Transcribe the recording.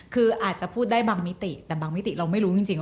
คืออาจจะพูดได้บางมิติแต่บางมิติเราไม่รู้จริงว่า